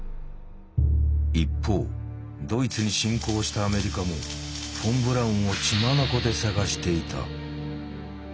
一方ドイツに進攻したアメリカもフォン・ブラウンを血眼でさがしていた。